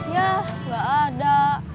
yah gak ada